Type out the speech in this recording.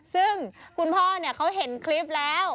ซึ่งคุณพ่อเขาเห็นคลิปแล้ว